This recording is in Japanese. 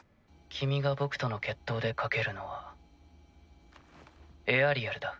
君が僕との決闘で賭けるのはエアリアルだ。